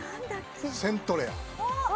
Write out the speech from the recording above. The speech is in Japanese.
セントレア。